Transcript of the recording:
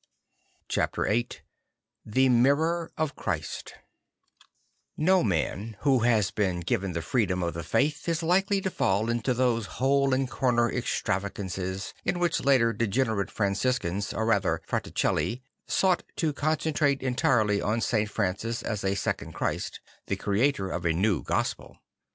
Chapter 11'111 1"he lirror of Christ No man who has been given the freedom of the Faith is likely to fall into those hole and corner extravagances in which later degenerate Franciscans, or rather Fraticelli, sought to con centrate entirely on St. Francis as a second Christ, the creator of a new gospel.